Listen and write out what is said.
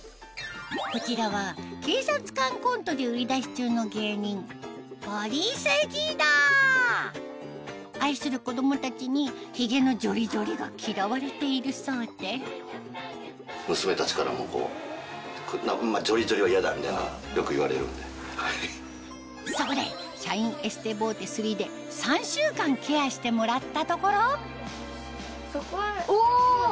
こちらは警察官コントで売り出し中の芸人愛する子供たちにヒゲのジョリジョリが嫌われているそうでそこでシャインエステボーテ３で３週間ケアしてもらったところお！